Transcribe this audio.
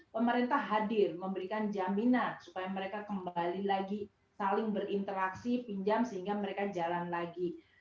pemerintah hadir memberikan jaminan supaya mereka kembali lagi saling berinteraksi pinjam sehingga mereka jalan lagi